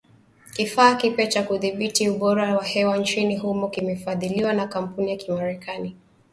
Kifaa kipya cha kudhibiti ubora wa hewa nchini humo kimefadhiliwa na kampuni ya kimarekani